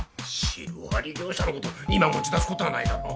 白あり業者のこと今持ち出すことはないだろう。